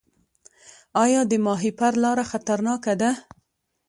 آیا د ماهیپر لاره خطرناکه ده؟